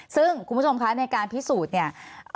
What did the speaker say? ซึ่งคุณผู้ชมคะในการพิสูจน์เนี่ย